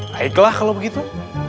baiklah kalau begitu